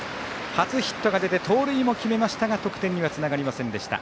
初ヒットが出て盗塁も決めましたが得点にはつながりませんでした。